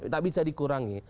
tak bisa dikurangi